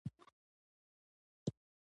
هغه د اواز په سمندر کې د امید څراغ ولید.